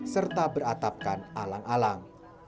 serta beratapkan alang alang